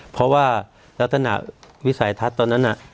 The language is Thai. เพราะว่ารักษณะวิสัยทัศน์ตอนนั้น